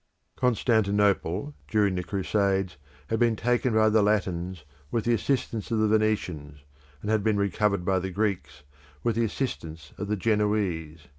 Constantinople, during the Crusades, had been taken by the Latins, with the assistance of the Venetians, and had been recovered by the Greeks, with the assistance of the Genoese.